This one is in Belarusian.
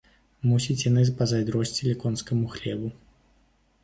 Мусіць, яны пазайздросцілі конскаму хлебу.